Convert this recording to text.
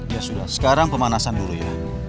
ya sudah sekarang pemanasan dulu ya